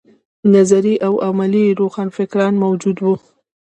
نظري او عملي روښانفکران موجود وو.